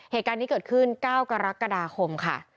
เหตุการณ์นี้เกิดขึ้น๙กรกฎาคมค่ะ